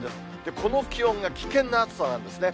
この気温が危険な暑さなんですね。